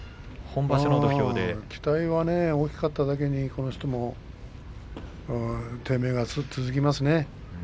期待が大きかっただけにね、この人は低迷が続いてますね。